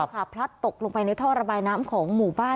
พลัดตกลงไปในท่อระบายน้ำของหมู่บ้าน